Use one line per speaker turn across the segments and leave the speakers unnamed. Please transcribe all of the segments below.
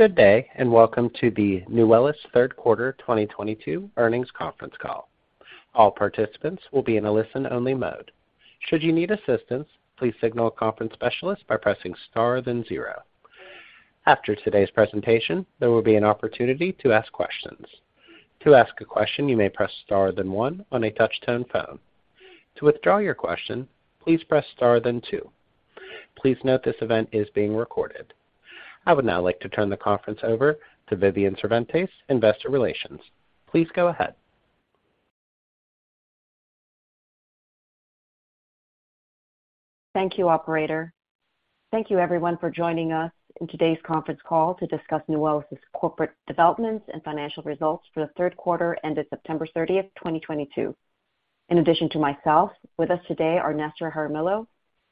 Good day, and welcome to the Nuwellis third quarter 2022 earnings conference call. All participants will be in a listen-only mode. Should you need assistance, please signal a conference specialist by pressing Star then zero. After today's presentation, there will be an opportunity to ask questions. To ask a question, you may press Star then one on a touch tone phone. To withdraw your question, please press Star then two. Please note this event is being recorded. I would now like to turn the conference over to Vivian Cervantes, Investor Relations. Please go ahead.
Thank you, operator. Thank you everyone for joining us in today's conference call to discuss Nuwellis's corporate developments and financial results for the third quarter ended September 30, 2022. In addition to myself, with us today are Nestor Jaramillo,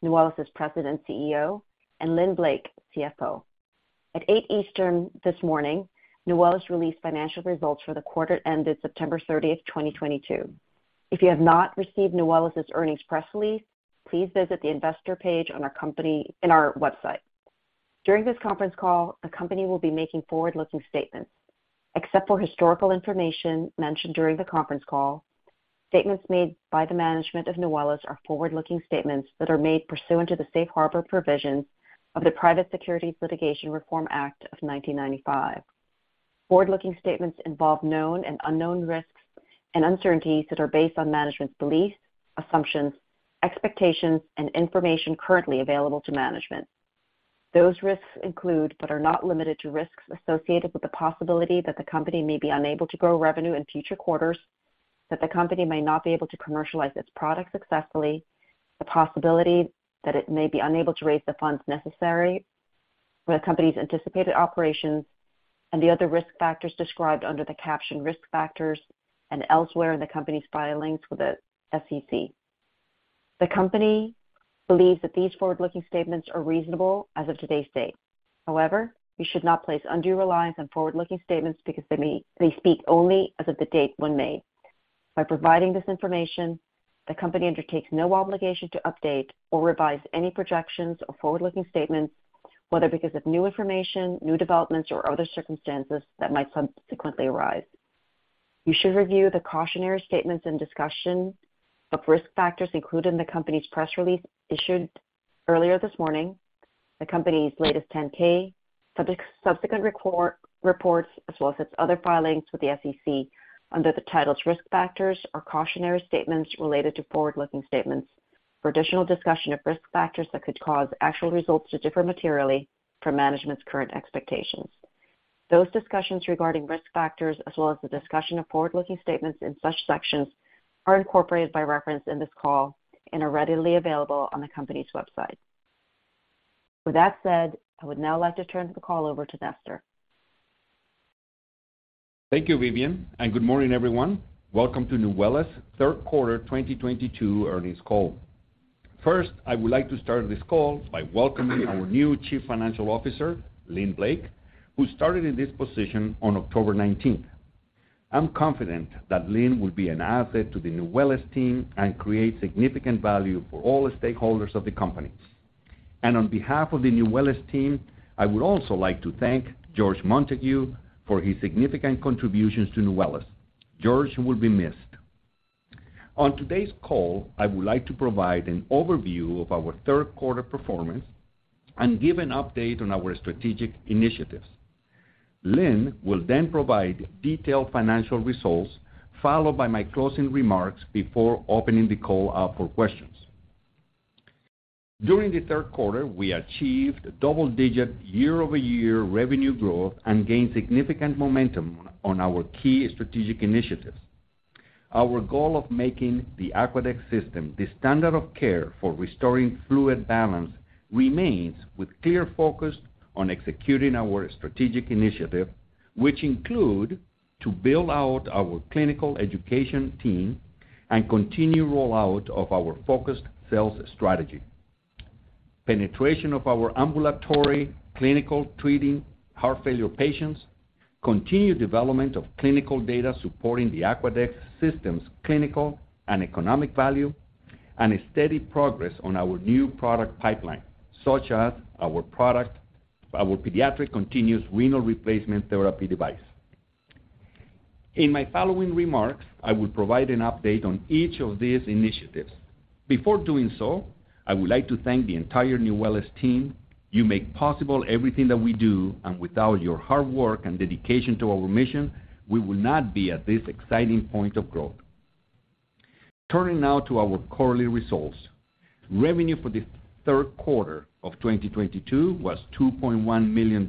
Nuwellis's President and CEO, and Lynn Blake, CFO. At 8:00 A.M. Eastern this morning, Nuwellis released financial results for the quarter ended September 30, 2022. If you have not received Nuwellis's earnings press release, please visit the investor page on our company's website. During this conference call, the company will be making forward-looking statements. Except for historical information mentioned during the conference call, statements made by the management of Nuwellis are forward-looking statements that are made pursuant to the safe harbor provisions of the Private Securities Litigation Reform Act of 1995. Forward-looking statements involve known and unknown risks and uncertainties that are based on management's beliefs, assumptions, expectations, and information currently available to management. Those risks include, but are not limited to, risks associated with the possibility that the company may be unable to grow revenue in future quarters, that the company may not be able to commercialize its products successfully, the possibility that it may be unable to raise the funds necessary for the company's anticipated operations, and the other risk factors described under the caption Risk Factors and elsewhere in the company's filings with the SEC. The company believes that these forward-looking statements are reasonable as of today's date. However, you should not place undue reliance on forward-looking statements because they speak only as of the date when made. By providing this information, the company undertakes no obligation to update or revise any projections or forward-looking statements, whether because of new information, new developments, or other circumstances that might subsequently arise. You should review the cautionary statements and discussion of risk factors included in the company's press release issued earlier this morning, the company's latest 10-K, subsequent reports, as well as its other filings with the SEC under the titles Risk Factors or Cautionary Statements Related to Forward-Looking Statements for additional discussion of risk factors that could cause actual results to differ materially from management's current expectations. Those discussions regarding risk factors as well as the discussion of forward-looking statements in such sections are incorporated by reference in this call and are readily available on the company's website. With that said, I would now like to turn the call over to Nestor.
Thank you, Vivian, and good morning, everyone. Welcome to Nuwellis third quarter 2022 earnings call. First, I would like to start this call by welcoming our new Chief Financial Officer, Lynn Blake, who started in this position on October 19. I'm confident that Lynn will be an asset to the Nuwellis team and create significant value for all stakeholders of the company. On behalf of the Nuwellis team, I would also like to thank George Montague for his significant contributions to Nuwellis. George will be missed. On today's call, I would like to provide an overview of our third quarter performance and give an update on our strategic initiatives. Lynn will then provide detailed financial results, followed by my closing remarks before opening the call up for questions. During the third quarter, we achieved double-digit year-over-year revenue growth and gained significant momentum on our key strategic initiatives. Our goal of making the Aquadex system the standard of care for restoring fluid balance remains with clear focus on executing our strategic initiative, which include to build out our clinical education team and continue rollout of our focused sales strategy. Penetration of our ambulatory clinical treating heart failure patients, continued development of clinical data supporting the Aquadex system's clinical and economic value, and a steady progress on our new product pipeline, such as our pediatric continuous renal replacement therapy device. In my following remarks, I will provide an update on each of these initiatives. Before doing so, I would like to thank the entire Nuwellis team. You make possible everything that we do, and without your hard work and dedication to our mission, we would not be at this exciting point of growth. Turning now to our quarterly results. Revenue for the third quarter of 2022 was $2.1 million,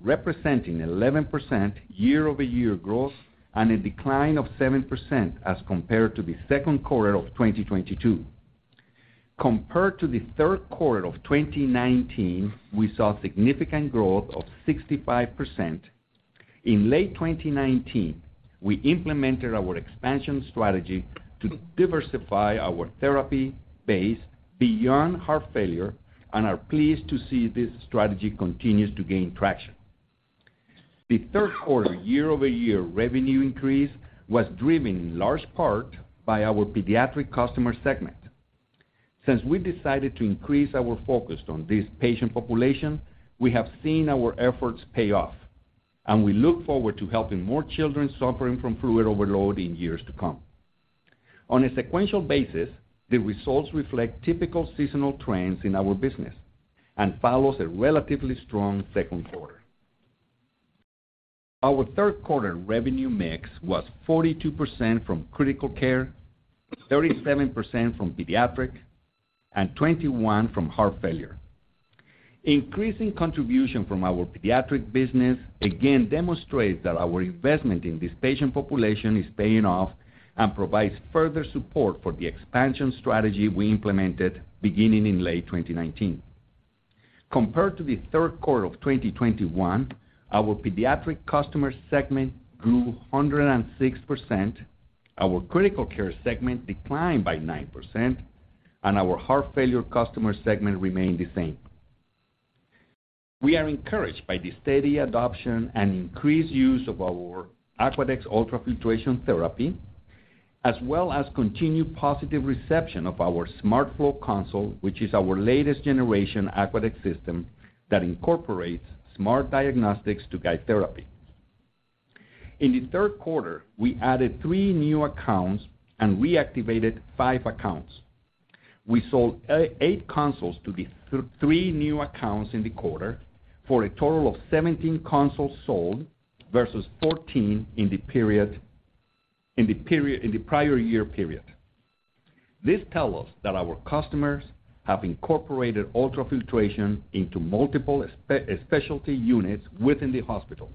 representing 11% year-over-year growth and a decline of 7% as compared to the second quarter of 2022. Compared to the third quarter of 2019, we saw significant growth of 65%. In late 2019, we implemented our expansion strategy to diversify our therapy base beyond heart failure and are pleased to see this strategy continues to gain traction. The third quarter year-over-year revenue increase was driven in large part by our pediatric customer segment. Since we decided to increase our focus on this patient population, we have seen our efforts pay off, and we look forward to helping more children suffering from fluid overload in years to come. On a sequential basis, the results reflect typical seasonal trends in our business and follows a relatively strong second quarter. Our third quarter revenue mix was 42% from critical care, 37% from pediatric, and 21% from heart failure. Increasing contribution from our pediatric business again demonstrates that our investment in this patient population is paying off and provides further support for the expansion strategy we implemented beginning in late 2019. Compared to the third quarter of 2021, our pediatric customer segment grew 106%, our critical care segment declined by 9%, and our heart failure customer segment remained the same. We are encouraged by the steady adoption and increased use of our Aquadex ultrafiltration therapy, as well as continued positive reception of our SmartFlow console, which is our latest generation Aquadex system that incorporates smart diagnostics to guide therapy. In the third quarter, we added 3 new accounts and reactivated 5 accounts. We sold 8 consoles to the 3 new accounts in the quarter for a total of 17 consoles sold versus 14 in the prior year period. This tells us that our customers have incorporated ultrafiltration into multiple specialty units within the hospital,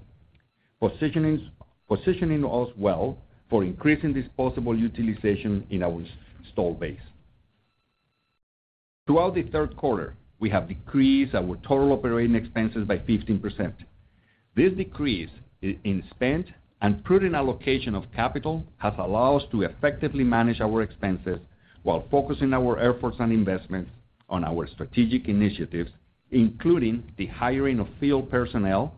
positioning us well for increasing this possible utilization in our install base. Throughout the third quarter, we have decreased our total operating expenses by 15%. This decrease in spend and prudent allocation of capital has allowed us to effectively manage our expenses while focusing our efforts on investments on our strategic initiatives, including the hiring of field personnel,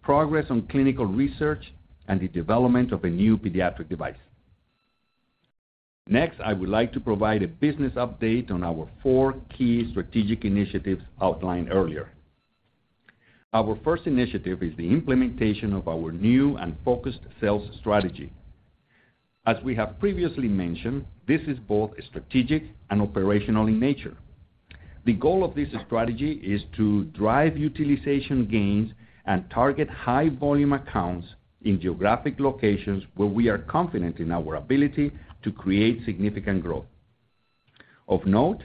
progress on clinical research, and the development of a new pediatric device. Next, I would like to provide a business update on our 4 key strategic initiatives outlined earlier. Our first initiative is the implementation of our new and focused sales strategy. As we have previously mentioned, this is both strategic and operational in nature. The goal of this strategy is to drive utilization gains and target high volume accounts in geographic locations where we are confident in our ability to create significant growth. Of note,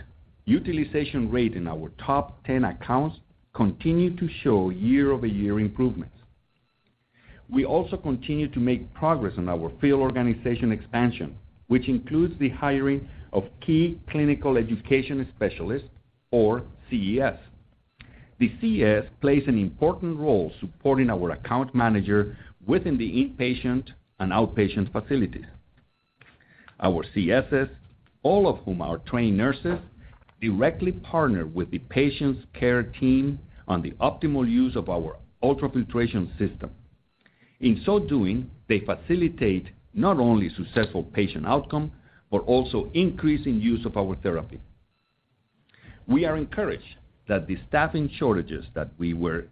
utilization rate in our top 10 accounts continue to show year-over-year improvements. We also continue to make progress on our field organization expansion, which includes the hiring of key clinical education specialists, or CES. The CES plays an important role supporting our account manager within the inpatient and outpatient facilities. Our CESs, all of whom are trained nurses, directly partner with the patient's care team on the optimal use of our ultrafiltration system. In so doing, they facilitate not only successful patient outcome, but also increase in use of our therapy. We are encouraged that the staffing shortages that were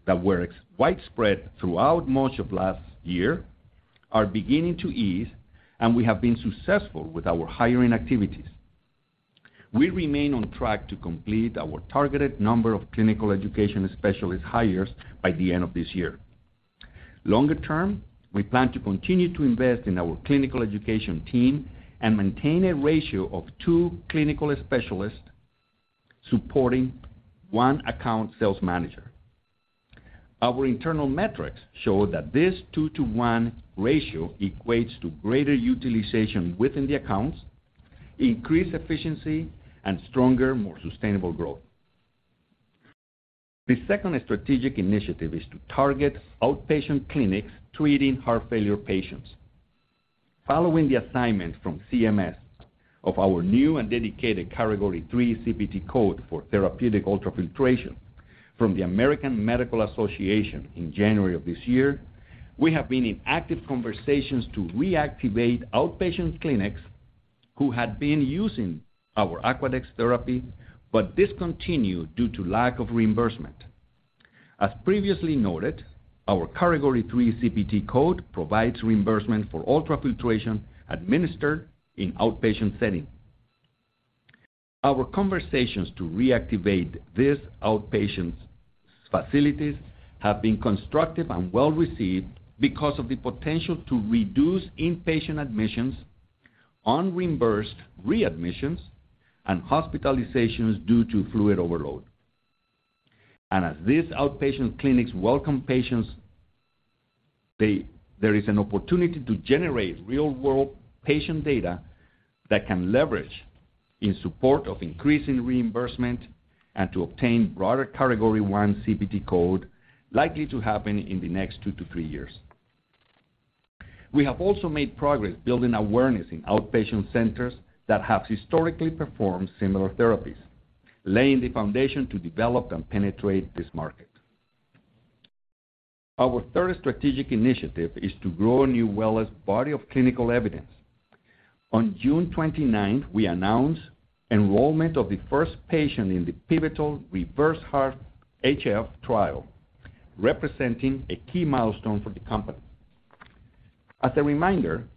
widespread throughout much of last year are beginning to ease, and we have been successful with our hiring activities. We remain on track to complete our targeted number of clinical education specialist hires by the end of this year. Longer term, we plan to continue to invest in our clinical education team and maintain a ratio of two clinical specialists supporting one account sales manager. Our internal metrics show that this two-to-one ratio equates to greater utilization within the accounts, increased efficiency, and stronger, more sustainable growth. The second strategic initiative is to target outpatient clinics treating heart failure patients. Following the assignment from CMS of our new and dedicated Category three CPT code for therapeutic ultrafiltration from the American Medical Association in January of this year, we have been in active conversations to reactivate outpatient clinics who had been using our Aquadex therapy but discontinued due to lack of reimbursement. As previously noted, our Category three CPT code provides reimbursement for ultrafiltration administered in outpatient setting. Our conversations to reactivate these outpatient facilities have been constructive and well-received because of the potential to reduce inpatient admissions, unreimbursed readmissions, and hospitalizations due to fluid overload. As these outpatient clinics welcome patients, there is an opportunity to generate real-world patient data that can leverage in support of increasing reimbursement and to obtain broader Category one CPT code likely to happen in the next 2-3 years. We have also made progress building awareness in outpatient centers that have historically performed similar therapies, laying the foundation to develop and penetrate this market. Our third strategic initiative is to grow Nuwellis's body of clinical evidence. On June 29, we announced enrollment of the first patient in the pivotal REVERSE-HF trial, representing a key milestone for the company. As a reminder,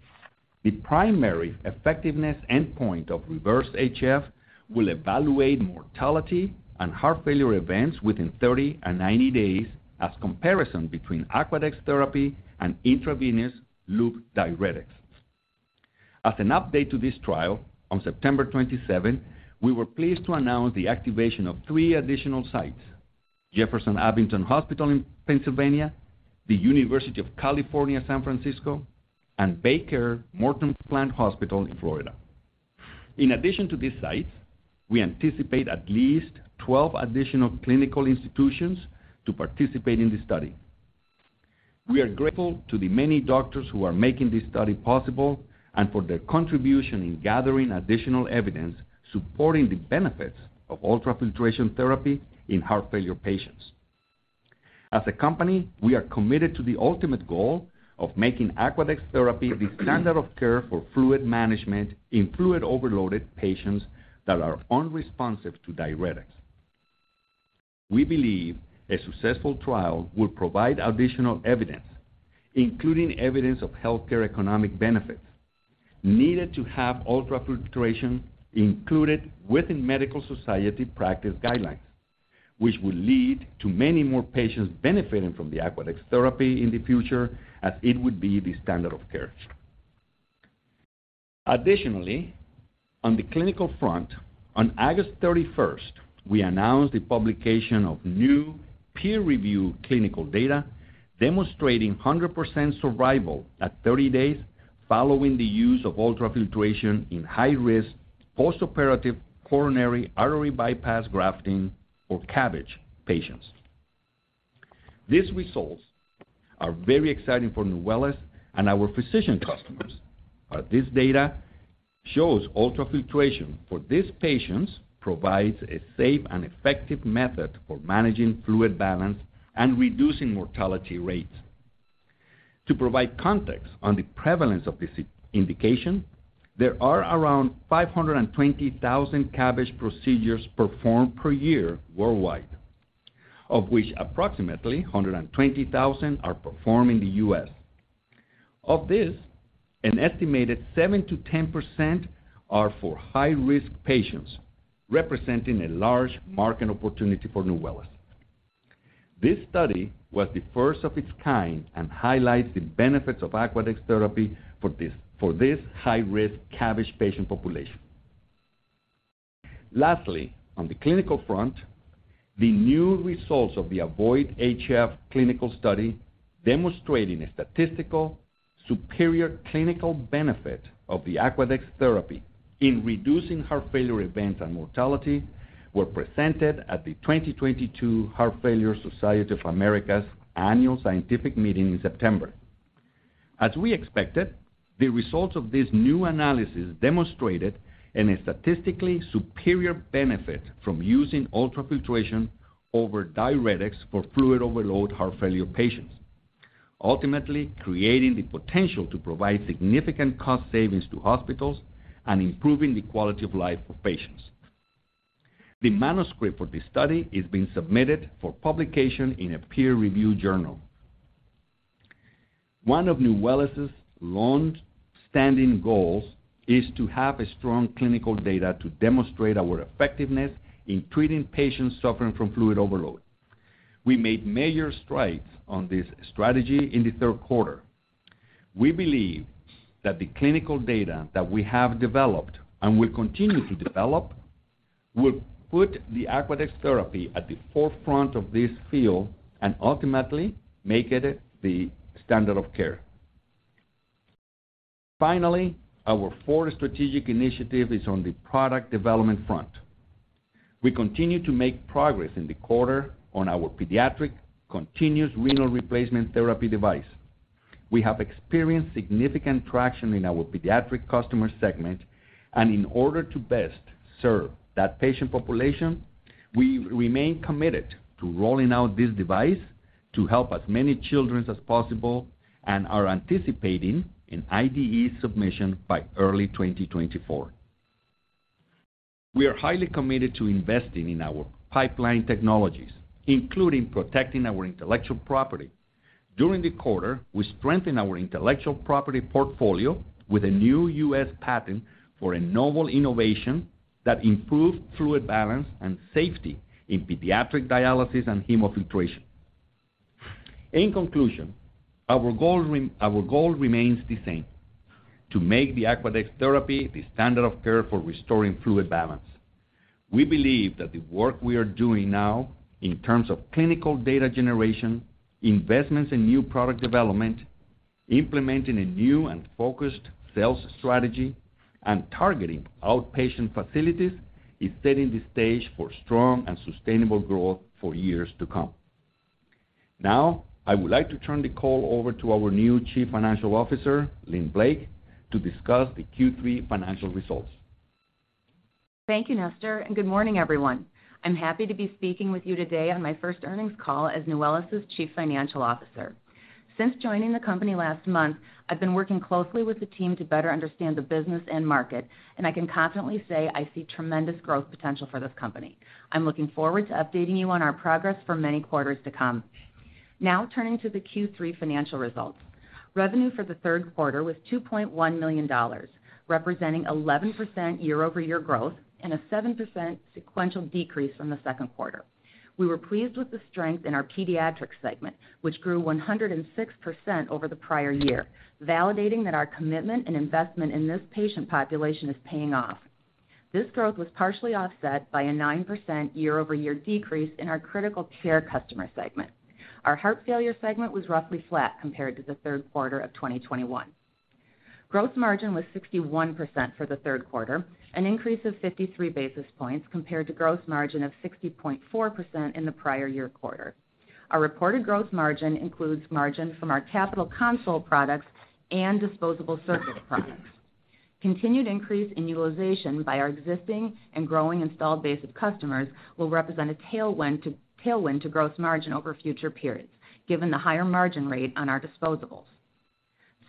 the primary effectiveness endpoint of REVERSE-HF will evaluate mortality and heart failure events within 30 and 90 days as comparison between Aquadex therapy and intravenous loop diuretics. As an update to this trial, on September 27, we were pleased to announce the activation of 3 additional sites, Jefferson Abington Hospital in Pennsylvania, the University of California San Francisco, and BayCare Morton Plant Hospital in Florida. In addition to these sites, we anticipate at least 12 additional clinical institutions to participate in this study. We are grateful to the many doctors who are making this study possible and for their contribution in gathering additional evidence supporting the benefits of ultrafiltration therapy in heart failure patients. As a company, we are committed to the ultimate goal of making Aquadex therapy the standard of care for fluid management in fluid overloaded patients that are unresponsive to diuretics. We believe a successful trial will provide additional evidence, including evidence of healthcare economic benefits needed to have ultrafiltration included within medical society practice guidelines, which will lead to many more patients benefiting from the Aquadex therapy in the future as it would be the standard of care. Additionally, on the clinical front, on August 31, we announced the publication of new peer-reviewed clinical data demonstrating 100% survival at 30 days following the use of ultrafiltration in high-risk postoperative coronary artery bypass grafting or CABG patients. These results are very exciting for Nuwellis and our physician customers. This data shows ultrafiltration for these patients provides a safe and effective method for managing fluid balance and reducing mortality rates. To provide context on the prevalence of this indication, there are around 520,000 CABG procedures performed per year worldwide, of which approximately 120,000 are performed in the US. Of this, an estimated 7%-10% are for high-risk patients, representing a large market opportunity for Nuwellis. This study was the first of its kind and highlights the benefits of Aquadex therapy for this high-risk CABG patient population. Lastly, on the clinical front, the new results of the AVOID HF clinical study demonstrating a statistically superior clinical benefit of the Aquadex therapy in reducing heart failure events and mortality were presented at the 2022 Heart Failure Society of America's annual scientific meeting in September. As we expected, the results of this new analysis demonstrated a statistically superior benefit from using ultrafiltration over diuretics for fluid overload heart failure patients, ultimately creating the potential to provide significant cost savings to hospitals and improving the quality of life for patients. The manuscript for this study is being submitted for publication in a peer-reviewed journal. One of Nuwellis's long-standing goals is to have strong clinical data to demonstrate our effectiveness in treating patients suffering from fluid overload. We made major strides on this strategy in the third quarter. We believe that the clinical data that we have developed and will continue to develop will put the Aquadex therapy at the forefront of this field and ultimately make it the standard of care. Finally, our fourth strategic initiative is on the product development front. We continue to make progress in the quarter on our pediatric continuous renal replacement therapy device. We have experienced significant traction in our pediatric customer segment, and in order to best serve that patient population, we remain committed to rolling out this device to help as many children as possible and are anticipating an IDE submission by early 2024. We are highly committed to investing in our pipeline technologies, including protecting our intellectual property. During the quarter, we strengthened our intellectual property portfolio with a new U.S. patent for a novel innovation that improved fluid balance and safety in pediatric dialysis and hemofiltration. In conclusion, our goal remains the same, to make the Aquadex therapy the standard of care for restoring fluid balance. We believe that the work we are doing now in terms of clinical data generation, investments in new product development, implementing a new and focused sales strategy, and targeting outpatient facilities is setting the stage for strong and sustainable growth for years to come. Now, I would like to turn the call over to our new Chief Financial Officer, Lynn Blake, to discuss the Q3 financial results.
Thank you, Nestor, and good morning, everyone. I'm happy to be speaking with you today on my first earnings call as Nuwellis's Chief Financial Officer. Since joining the company last month, I've been working closely with the team to better understand the business and market, and I can confidently say I see tremendous growth potential for this company. I'm looking forward to updating you on our progress for many quarters to come. Now turning to the Q3 financial results. Revenue for the third quarter was $2.1 million, representing 11% year-over-year growth and a 7% sequential decrease from the second quarter. We were pleased with the strength in our pediatric segment, which grew 106% over the prior year, validating that our commitment and investment in this patient population is paying off. This growth was partially offset by a 9% year-over-year decrease in our critical care customer segment. Our heart failure segment was roughly flat compared to the third quarter of 2021. Gross margin was 61% for the third quarter, an increase of 53 basis points compared to gross margin of 60.4% in the prior year quarter. Our reported gross margin includes margin from our capital console products and disposable surface products. Continued increase in utilization by our existing and growing installed base of customers will represent a tailwind to gross margin over future periods, given the higher margin rate on our disposables.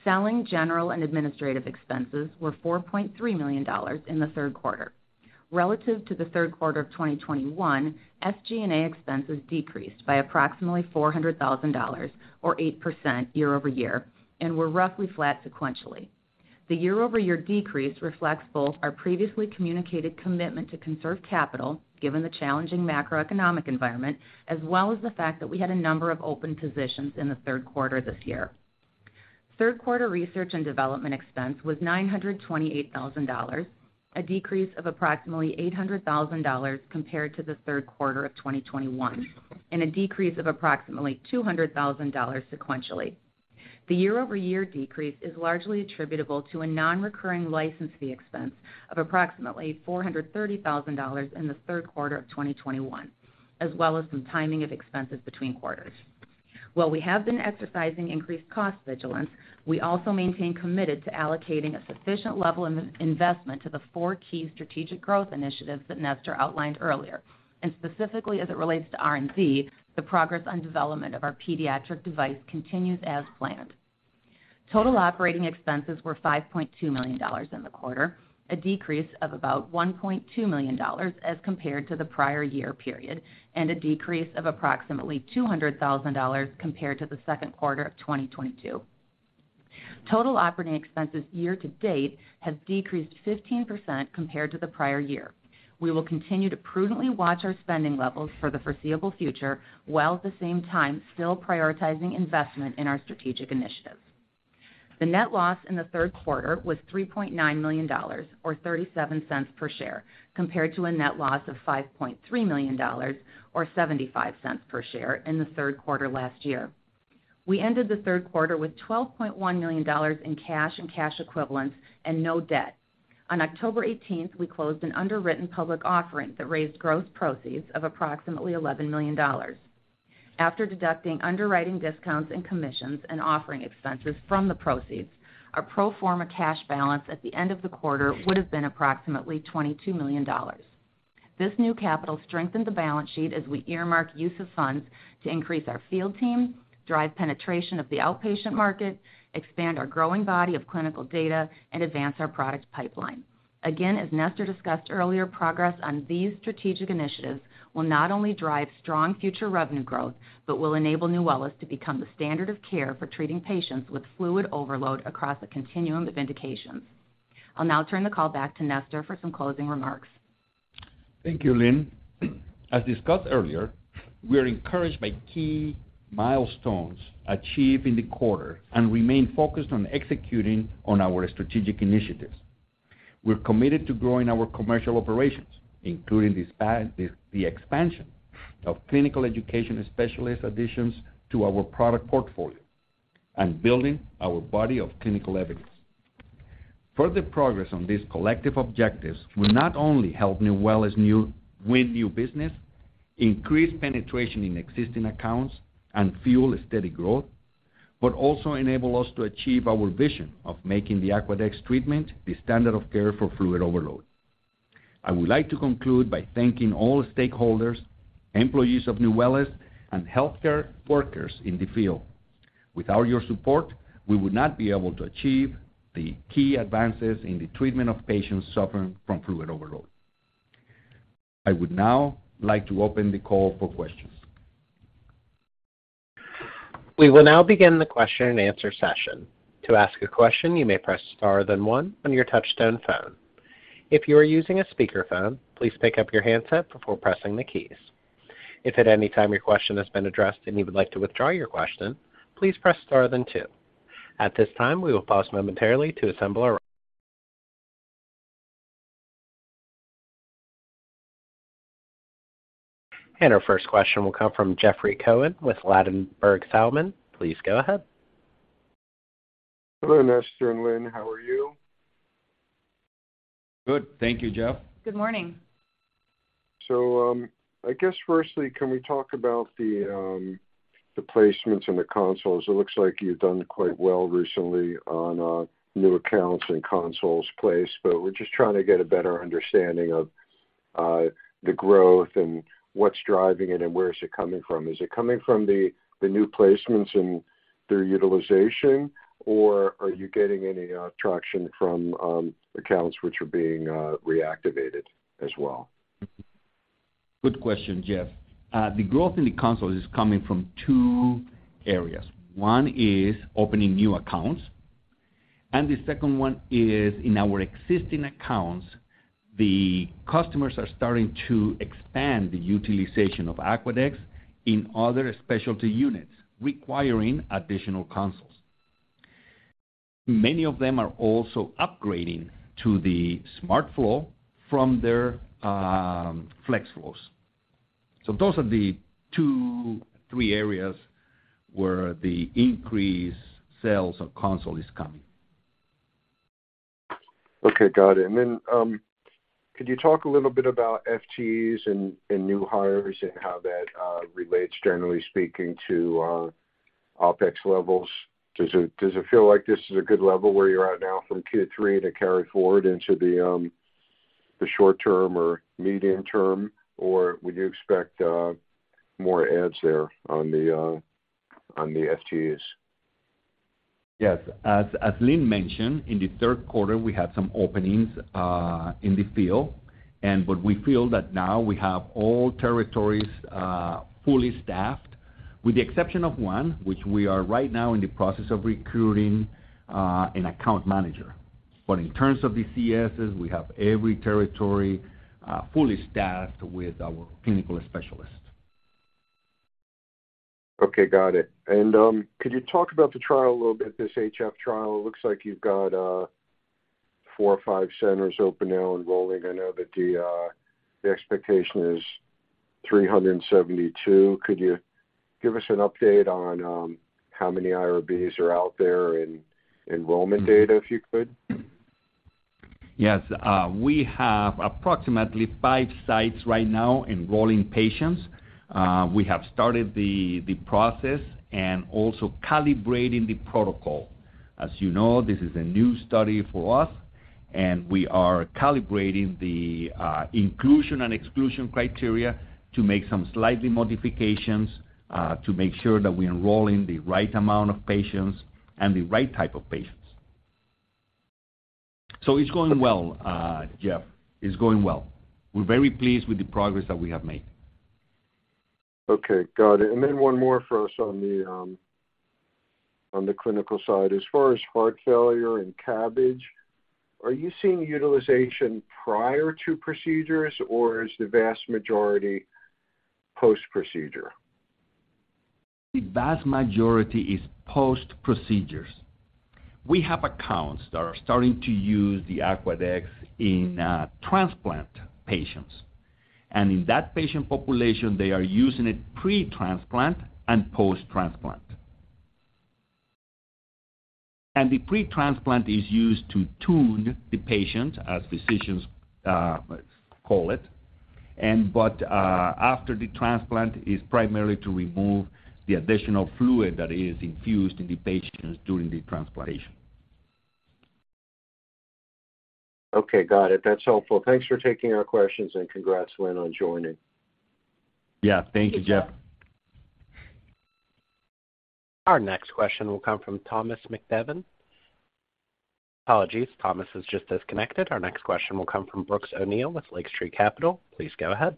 Selling, general and administrative expenses were $4.3 million in the third quarter. Relative to the third quarter of 2021, SG&A expenses decreased by approximately $400,000 or 8% year-over-year and were roughly flat sequentially. The year-over-year decrease reflects both our previously communicated commitment to conserve capital given the challenging macroeconomic environment, as well as the fact that we had a number of open positions in the third quarter this year. Third quarter research and development expense was $928,000, a decrease of approximately $800,000 compared to the third quarter of 2021, and a decrease of approximately $200,000 sequentially. The year-over-year decrease is largely attributable to a non-recurring license fee expense of approximately $430,000 in the third quarter of 2021, as well as some timing of expenses between quarters. While we have been exercising increased cost vigilance, we also remain committed to allocating a sufficient level of investment to the four key strategic growth initiatives that Nestor outlined earlier, and specifically as it relates to R&D, the progress on development of our pediatric device continues as planned. Total operating expenses were $5.2 million in the quarter, a decrease of about $1.2 million as compared to the prior year period, and a decrease of approximately $200,000 compared to the second quarter of 2022. Total operating expenses year to date have decreased 15% compared to the prior year. We will continue to prudently watch our spending levels for the foreseeable future, while at the same time still prioritizing investment in our strategic initiatives. The net loss in the third quarter was $3.9 million or $0.37 per share, compared to a net loss of $5.3 million or $0.75 per share in the third quarter last year. We ended the third quarter with $12.1 million in cash and cash equivalents and no debt. On October 18, we closed an underwritten public offering that raised gross proceeds of approximately $11 million. After deducting underwriting discounts and commissions and offering expenses from the proceeds, our pro forma cash balance at the end of the quarter would have been approximately $22 million. This new capital strengthened the balance sheet as we earmark use of funds to increase our field team, drive penetration of the outpatient market, expand our growing body of clinical data, and advance our product pipeline. Again, as Nestor discussed earlier, progress on these strategic initiatives will not only drive strong future revenue growth, but will enable Nuwellis to become the standard of care for treating patients with fluid overload across a continuum of indications. I'll now turn the call back to Nestor for some closing remarks.
Thank you, Lynn. As discussed earlier, we are encouraged by key milestones achieved in the quarter and remain focused on executing on our strategic initiatives. We're committed to growing our commercial operations, including the expansion of clinical education specialist additions to our product portfolio and building our body of clinical evidence. Further progress on these collective objectives will not only help Nuwellis win new business, increase penetration in existing accounts and fuel steady growth, but also enable us to achieve our vision of making the Aquadex treatment the standard of care for fluid overload. I would like to conclude by thanking all stakeholders, employees of Nuwellis, and healthcare workers in the field. Without your support, we would not be able to achieve the key advances in the treatment of patients suffering from fluid overload. I would now like to open the call for questions.
We will now begin the question and answer session. To ask a question, you may press star then one on your touchtone phone. If you are using a speakerphone, please pick up your handset before pressing the keys. If at any time your question has been addressed and you would like to withdraw your question, please press star then two. At this time, we will pause momentarily. Our first question will come from Jeffrey Cohen with Ladenburg Thalmann. Please go ahead.
Hello, Nestor and Lynn. How are you?
Good. Thank you, Jeff.
Good morning.
I guess firstly, can we talk about the placements and the consoles? It looks like you've done quite well recently on new accounts and consoles placed, but we're just trying to get a better understanding of the growth and what's driving it, and where is it coming from. Is it coming from the new placements and their utilization, or are you getting any traction from accounts which are being reactivated as well?
Good question, Jeff. The growth in the console is coming from two areas. One is opening new accounts, and the second one is in our existing accounts, the customers are starting to expand the utilization of Aquadex in other specialty units, requiring additional consoles. Many of them are also upgrading to the SmartFlow from their FlexFlow. Those are the two, three areas where the increased sales of console is coming.
Okay, got it. Could you talk a little bit about FTs and new hires and how that relates generally speaking to OpEx levels? Does it feel like this is a good level where you're at now from Q3 to carry forward into the short term or medium term? Or would you expect more adds there on the FTs?
Yes. As Lynn mentioned, in the third quarter, we had some openings in the field, but we feel that now we have all territories fully staffed, with the exception of one, which we are right now in the process of recruiting an account manager. In terms of the CSs, we have every territory fully staffed with our clinical specialists.
Okay, got it. Could you talk about the trial a little bit, this HF trial? It looks like you've got 4 or 5 centers open now enrolling. I know that the expectation is 372. Could you give us an update on how many IRBs are out there and enrollment data, if you could?
Yes. We have approximately five sites right now enrolling patients. We have started the process and also calibrating the protocol. As you know, this is a new study for us and we are calibrating the inclusion and exclusion criteria to make some slight modifications to make sure that we enroll in the right amount of patients and the right type of patients. It's going well, Jeff, it's going well. We're very pleased with the progress that we have made.
Okay, got it. One more for us on the clinical side. As far as heart failure and CABG, are you seeing utilization prior to procedures, or is the vast majority post-procedure?
The vast majority is post-procedures. We have accounts that are starting to use the Aquadex in transplant patients. In that patient population, they are using it pre-transplant and post-transplant. The pre-transplant is used to tune the patient, as physicians call it. After the transplant is primarily to remove the additional fluid that is infused in the patients during the transplantation.
Okay, got it. That's helpful. Thanks for taking our questions, and congrats, Lynn, on joining.
Yeah. Thank you, Jeff.
Our next question will come from Thomas McDevitt. Apologies, Thomas has just disconnected. Our next question will come from Brooks O'Neil with Lake Street Capital Markets. Please go ahead.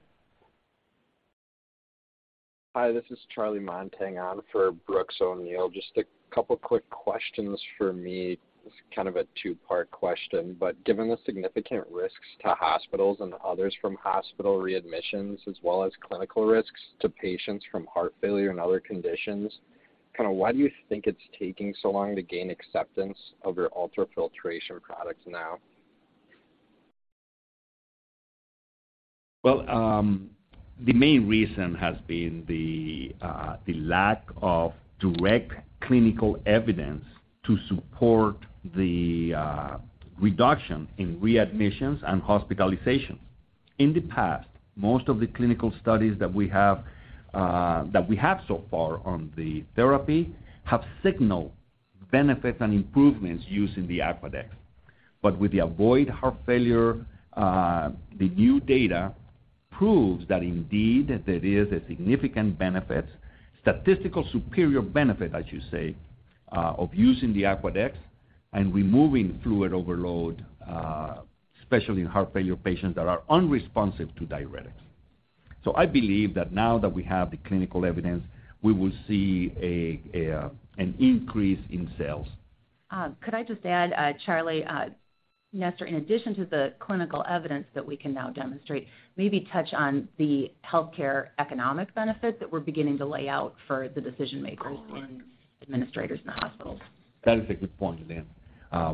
Hi, this is Charlie Montague on for Brooks O'Neil. Just a couple quick questions for me. It's kind of a two-part question, but given the significant risks to hospitals and others from hospital readmissions as well as clinical risks to patients from heart failure and other conditions, kind of why do you think it's taking so long to gain acceptance of your ultrafiltration products now?
Well, the main reason has been the lack of direct clinical evidence to support the reduction in readmissions and hospitalizations. In the past, most of the clinical studies that we have so far on the therapy have signaled benefits and improvements using the Aquadex. With the AVOID-HF, the new data proves that indeed there is a significant benefit, statistically superior benefit, as you say, of using the Aquadex and removing fluid overload, especially in heart failure patients that are unresponsive to diuretics. I believe that now that we have the clinical evidence, we will see an increase in sales.
Could I just add, Charlie, Nestor, in addition to the clinical evidence that we can now demonstrate, maybe touch on the healthcare economic benefits that we're beginning to lay out for the decision-makers and administrators in the hospitals.
That is a good point, Lynn.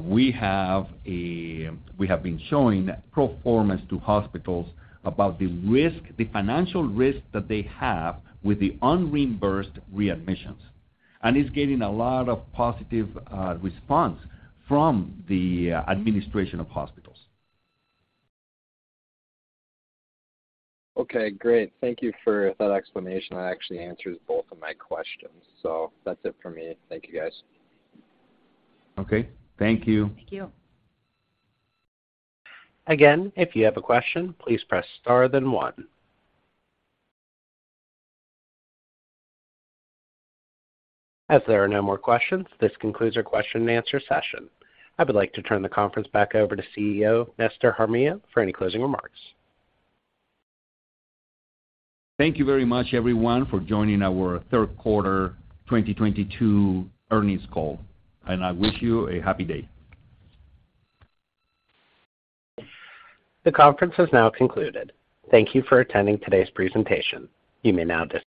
We have been showing pro forma to hospitals about the risk, the financial risk that they have with the unreimbursed readmissions. It's getting a lot of positive response from the administration of hospitals.
Okay, great. Thank you for that explanation. That actually answers both of my questions, so that's it for me. Thank you guys.
Okay. Thank you.
Thank you.
Again, if you have a question, please press star then one. As there are no more questions, this concludes our question and answer session. I would like to turn the conference back over to CEO Nestor Jaramillo for any closing remarks.
Thank you very much everyone for joining our third quarter 2022 earnings call, and I wish you a happy day.
The conference has now concluded. Thank you for attending today's presentation. You may now dis-